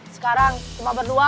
sekarang cuma berdua